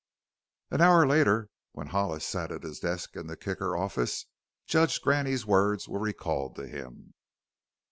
An hour later, when Hollis sat at his desk in the Kicker office, Judge Graney's words were recalled to him.